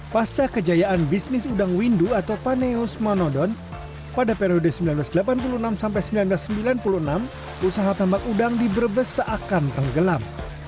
pada periode seribu sembilan ratus delapan puluh enam seribu sembilan ratus sembilan puluh enam usaha tambak udang diberbesa akan tenggelam